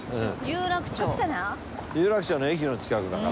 有楽町の駅の近くだから。